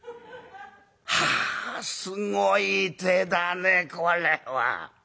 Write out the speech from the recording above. はあすごい手だねこれは」。